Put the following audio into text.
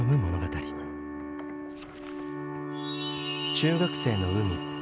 中学生の海未。